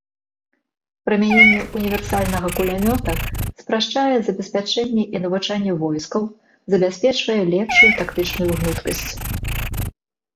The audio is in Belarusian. Прымяненне універсальнага кулямёта спрашчае забеспячэнне і навучанне войскаў, забяспечвае лепшую тактычную гнуткасць.